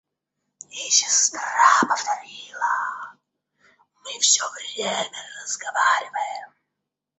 И сестра повторила: — Мы все время разговариваем.